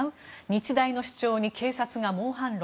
日大の主張に警察が猛反論。